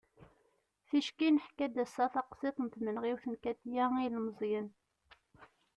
ticki neḥka-d ass-a taqsiḍt n tmenɣiwt n katia i yilmeẓyen